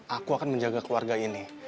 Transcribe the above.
aku akan menjaga keluarga ini